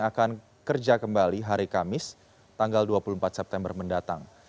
akan kerja kembali hari kamis tanggal dua puluh empat september mendatang